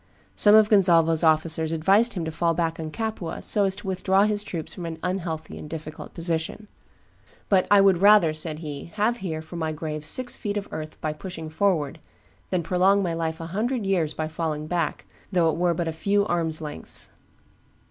Some of Gonzalvo's officers advised him to fall back on Capua, so as to withdraw his troops from an unhealthy and difficult position; but "I would rather," said he, "have here, for my grave, six feet of earth by pushing forward, than prolong my life a hundred years by falling back, though it were but a few arms' lengths."